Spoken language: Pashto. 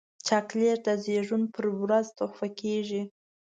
چاکلېټ د زیږون پر ورځ تحفه کېږي.